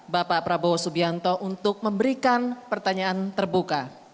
bapak prabowo subianto untuk memberikan pertanyaan terbuka